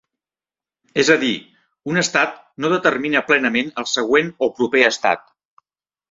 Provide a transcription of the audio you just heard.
És a dir, un estat no determina plenament el següent o proper estat.